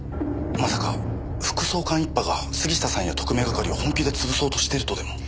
まさか副総監一派が杉下さんや特命係を本気で潰そうとしてるとでも？